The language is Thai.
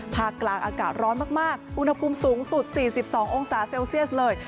ภาคกลางอากาศร้อนมากอุณหภูมิสูงสุด๔๒องศาเซลเซียสเลย